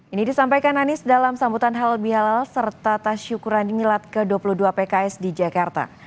ini disampaikan anies dalam sambutan halal bihalal serta tasyukuran nilat ke dua puluh dua pks di jakarta